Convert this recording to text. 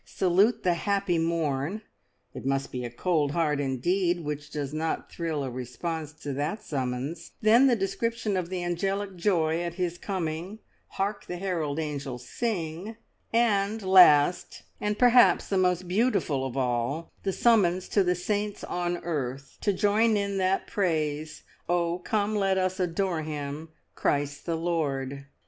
Salute the happy morn." It must be a cold heart indeed which does not thrill a response to that summons; then the description of the angelic joy at His coming, "Hark, the herald angels sing"; and last, and perhaps most beautiful of all, the summons to the saints on earth to join in that praise, "Oh, come, let us adore Him, Christ the Lord!"